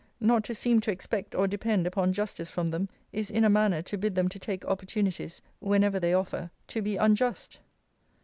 Not to seem to expect or depend upon justice from them, is in a manner to bid them to take opportunities, whenever they offer, to be unjust.